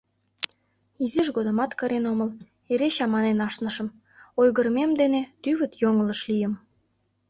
Изиж годымат кырен омыл, эре чаманен ашнышым, ойгырымем дене тӱвыт йоҥылыш лийым...